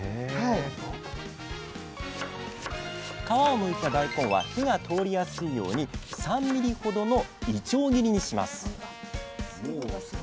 皮をむいた大根は火が通りやすいように３ｍｍほどのいちょう切りにします。